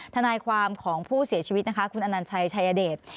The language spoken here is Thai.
ทนายความของผู้เสียชีวิตนะคะคุณอนัญชัยชายเดช